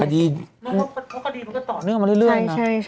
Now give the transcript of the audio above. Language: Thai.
เพราะคดีมันก็ต่อเนื่องมาเรื่อยนะ